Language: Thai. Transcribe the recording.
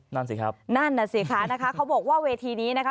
นั่นสิครับนั่นน่ะสิคะนะคะเขาบอกว่าเวทีนี้นะคะ